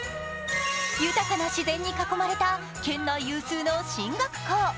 豊かな自然に囲まれた県内有数の進学校。